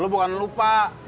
lu bukan lupa